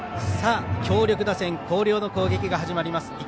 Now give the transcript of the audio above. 強力打線広陵の攻撃が始まります。